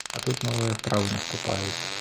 А тут новыя справы наступаюць.